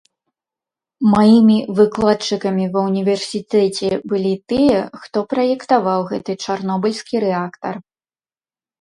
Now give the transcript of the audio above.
Маімі выкладчыкамі ва ўніверсітэце былі тыя, хто праектаваў гэты чарнобыльскі рэактар.